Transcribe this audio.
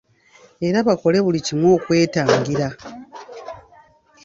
Era bakole buli kimu okubwetangira.